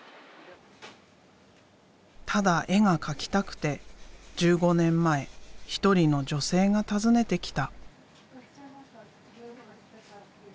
ただ絵が描きたくて１５年前一人の女性が訪ねてきた。